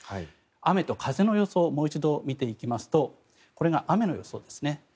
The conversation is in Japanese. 雨と風の予想をもう一度見ていきますとこれが雨の予想ですね。